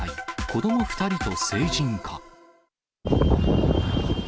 子ども２人と成人か。